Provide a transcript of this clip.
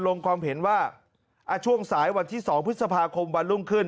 ลงความเห็นว่าช่วงสายวันที่๒พฤษภาคมวันรุ่งขึ้น